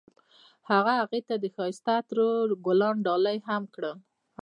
هغه هغې ته د ښایسته عطر ګلان ډالۍ هم کړل.